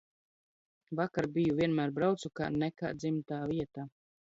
Vakar biju, vienmēr braucu, kā nekā dzimtā vieta.